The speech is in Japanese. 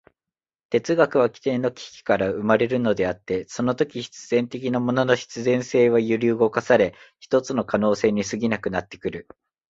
哲学は基底の危機から生まれるのであって、そのとき必然的なものの必然性は揺り動かされ、ひとつの可能性に過ぎなくなってくる。